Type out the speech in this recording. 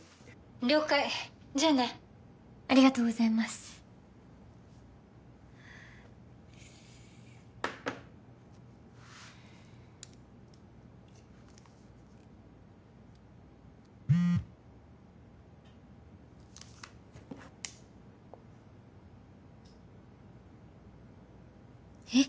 ☎了解じゃあねありがとうございますえっ？